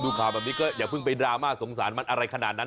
ข่าวแบบนี้ก็อย่าเพิ่งไปดราม่าสงสารมันอะไรขนาดนั้น